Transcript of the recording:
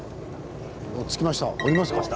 着きました。